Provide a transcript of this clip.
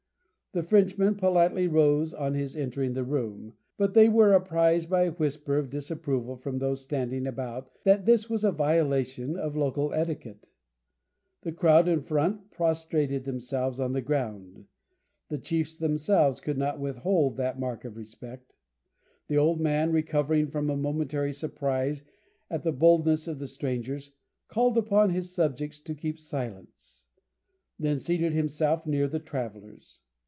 The Frenchmen politely rose on his entering the room, but they were apprised by a whisper of disapproval from those standing about that this was a violation of the local etiquette. The crowd in front prostrated themselves on the ground. The chiefs themselves could not withhold that mark of respect. The old man, recovering from a momentary surprise at the boldness of the strangers, called upon his subjects to keep silence, then seated himself near the travellers.